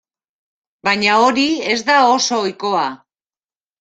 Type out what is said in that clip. Baina hori ez da oso ohikoa.